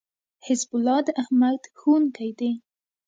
حزب الله داحمد ښوونکی دی